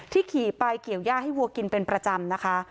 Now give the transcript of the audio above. ขี่ไปเกี่ยวย่าให้วัวกินเป็นประจำนะคะ